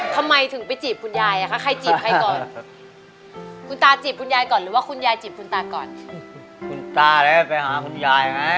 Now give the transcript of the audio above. ทำไมถึงไปจีบคุณยายอะ